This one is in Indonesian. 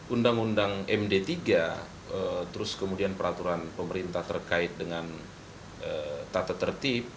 undang undang md tiga terus kemudian peraturan pemerintah terkait dengan tata tertib